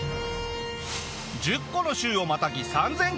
１０個の州をまたぎ３０００キロ。